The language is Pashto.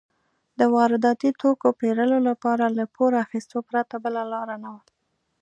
د وارداتي توکو پېرلو لپاره له پور اخیستو پرته بله لار نه وه.